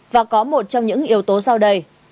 và có một trong những yếu tố sau đây